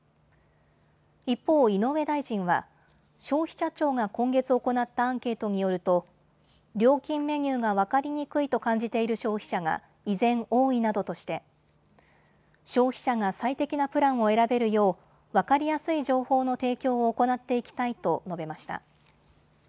一方、井上大臣は消費者庁が今月行ったアンケートによると料金メニューが分かりにくいと感じている消費者が依然、多いなどとして消費者が最適なプランを選べるよう分かりやすい情報の提供を行っていきたいと述べました。